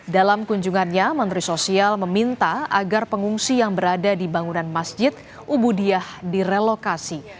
dalam kunjungannya menteri sosial meminta agar pengungsi yang berada di bangunan masjid ubudiah direlokasi